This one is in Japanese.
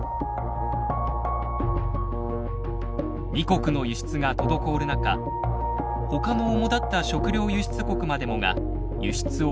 ２国の輸出が滞る中ほかのおもだった食料輸出国までもが輸出を規制。